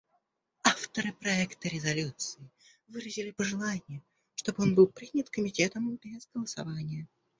Авторы проекта резолюции выразили пожелание, чтобы он был принят Комитетом без голосования.